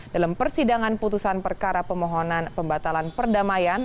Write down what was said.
dalam persidangan putusan perkara pemohonan pembatalan perdamaian